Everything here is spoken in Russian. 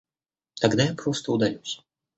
Тогда я просто удалюсь.